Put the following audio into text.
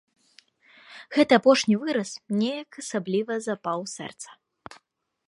Гэты апошні выраз неяк асабліва запаў у сэрца.